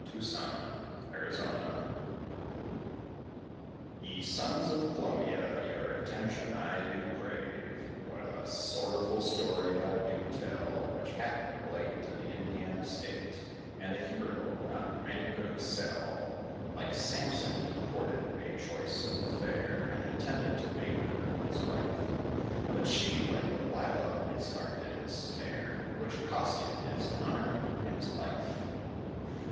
FULLER AND WARREN Ye sons of Columbia, your attention I do crave, While a sorrowful story I do tell, Which happened of late, in the Indiana state, And a hero not many could excel; Like Samson he courted, made choice of the fair, And intended to make her his wife; But she, like Delilah, his heart did ensnare, Which cost him his honor and his life.